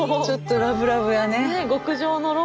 ちょっとラブラブやね。